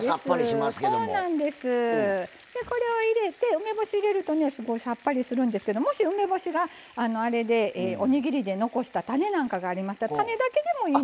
梅干し入れるとねすごいさっぱりするんですけどもし梅干しがあれでおにぎりで残した種なんかがありましたら種だけでもいいので。